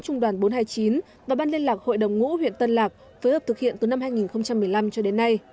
trung đoàn bốn trăm hai mươi chín và ban liên lạc hội đồng ngũ huyện tân lạc phối hợp thực hiện từ năm hai nghìn một mươi năm cho đến nay